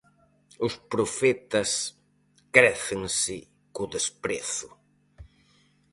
Os profetas crécense co desprezo.